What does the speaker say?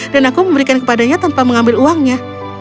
dan aku memberikan kepadanya tanpa mengambil uangnya